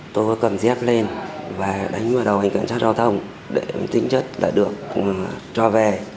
tôi có cầm dép lên và đánh vào đầu hình cảnh sát giao thông để tính chất đã được cho về